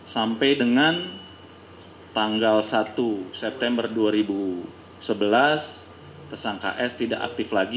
sampai dengan tanggal satu september dua ribu sebelas tersangka s tidak aktif lagi